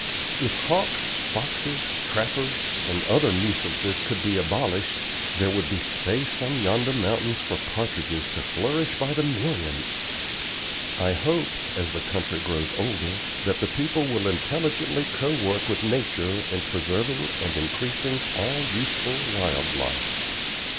If hawks, foxes, trappers, and other nuisances could be abolished, there would be space on yonder mountains for partridges to flourish by the million. I hope, as the country grows older, that the people will intelligently co work with nature in preserving and increasing all useful wild life.